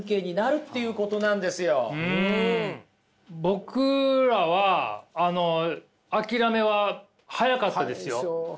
僕らは諦めは早かったですよ。